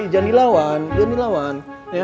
jangan dilawan jangan dilawan